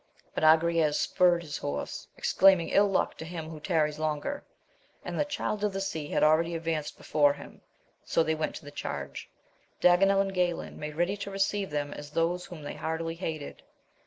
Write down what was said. But Agrayes spurred his horse, ex claiming ill luck to him who tarries longer ; and the Child of the Sea had already advanced before him, — so they went to the charge. Daganel and Galayn made ready to receive them as those whom they heartily hated.